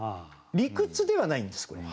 理屈ではないんですこれ。